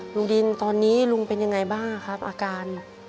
ลุงดินตอนนี้ลุงเป็นยังไงบ้างครับอาการ